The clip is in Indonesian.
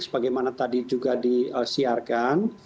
sebagaimana tadi juga disiarkan